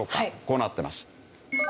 こうなってます。